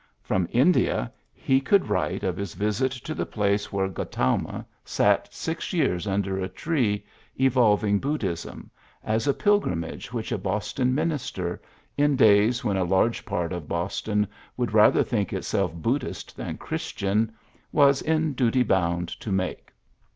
From India he could write of his 84 PHILLIPS BEOOKS visit to the place where Gautama sat six years under a tree, evolving Buddhism, as a pilgrimage which a Boston minister, in days when a large part of Boston would rather think itself Buddhist than Christian, was in duty bound to make.